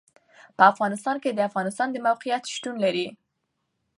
په افغانستان کې د افغانستان د موقعیت شتون لري.